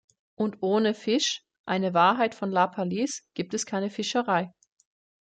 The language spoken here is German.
Und ohne Fisch eine Wahrheit von La Palice gibt es keine Fischerei.